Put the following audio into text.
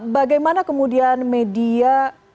bagaimana kemudian media